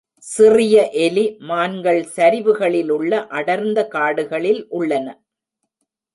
சிறிய எலி மான்கள் சரிவுகளிலுள்ள அடர்ந்த காடுகளில் உள்ளன.